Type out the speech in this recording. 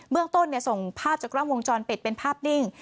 เมืองต้นส่งภาพจากกล้องวงจรปิดเป็นภาพนิ่ง